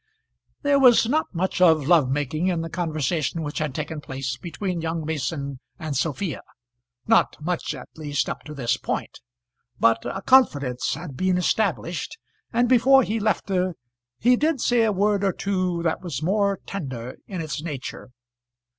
There was not much of love making in the conversation which had taken place between young Mason and Sophia; not much at least up to this point; but a confidence had been established, and before he left her he did say a word or two that was more tender in its nature.